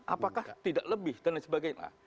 apakah tidak lebih dan lain sebagainya